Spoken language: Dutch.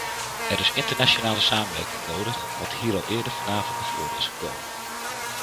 Er is internationale samenwerking nodig, wat hier al eerder vanavond naar voren is gekomen.